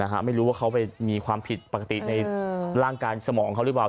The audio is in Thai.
ไม่รู้ว่าเขาไปมีความผิดปกติในร่างกายสมองเขาหรือเปล่า